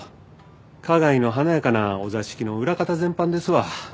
花街の華やかなお座敷の裏方全般ですわ。